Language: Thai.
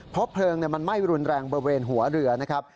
เพราะเพลิงมันไหม้รุนแรงบริเวณหัวเรือนะครับ